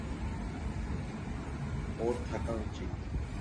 ওর থাকা উচিত।